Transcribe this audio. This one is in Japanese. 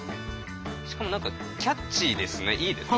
しかも何かキャッチーですね。